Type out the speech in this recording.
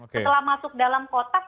setelah masuk dalam kotak